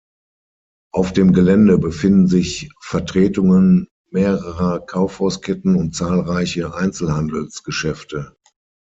Auf dem Gelände befinden sich Vertretungen mehrerer Kaufhausketten und zahlreiche Einzelhandelsgeschäfte.